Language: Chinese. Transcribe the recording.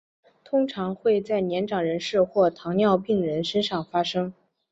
通常会在年长人士或糖尿病人身上发生。